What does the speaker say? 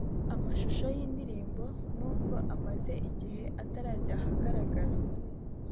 Amashusho y’iyi ndirimbo n’ubwo amaze igihe atarajya ahagaragara